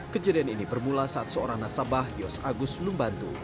kejadian ini bermula saat seorang nasabah yos agus lumbantu